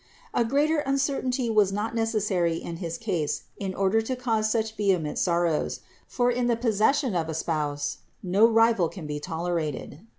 A greater uncertainty was not neces sary in his case in order to cause such vehement sorrows ; for in the possession of a spouse, no rival can be toler ated.